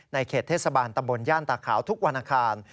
เขตเทศบาลตำบลย่านตาขาวทุกวันอาคาร